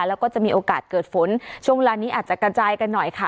แล้วก็จะมีโอกาสเกิดฝนช่วงเวลานี้อาจจะกระจายกันหน่อยค่ะ